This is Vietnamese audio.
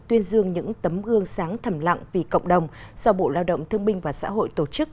tuyên dương những tấm gương sáng thầm lặng vì cộng đồng do bộ lao động thương binh và xã hội tổ chức